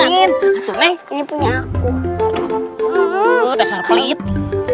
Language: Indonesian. atur ne ini punya aku